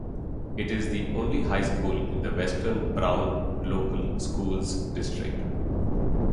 It is the only high school in the Western Brown Local Schools District.